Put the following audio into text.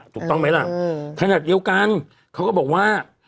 ถูกต้องไหมล่ะขนาดเดียวกันเขาก็บอกว่า